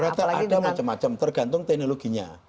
ternyata ada macam macam tergantung teknologinya